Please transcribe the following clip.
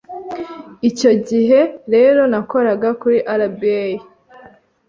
icyo gihe rero nakoraga kuri RBA,